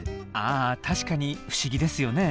あ確かに不思議ですよね。